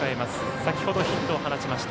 先ほどヒットを放ちました。